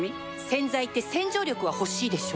洗剤って洗浄力は欲しいでしょ